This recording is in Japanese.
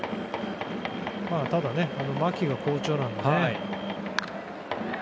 ただ、牧が好調なのでね。